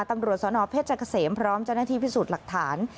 ตำรวจสนเพชรเกษมพร้อมเจ้าหน้าที่พิสูจน์หลักฐาน